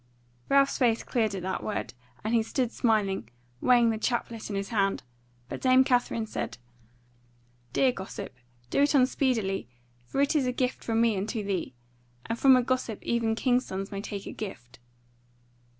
Ralph's face cleared at that word, and he stood smiling, weighing the chaplet in his hand; but Dame Katherine said: "Dear gossip, do it on speedily; for it is a gift from me unto thee: and from a gossip even king's sons may take a gift."